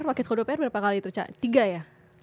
wakil kodoper berapa kali itu ca tiga ya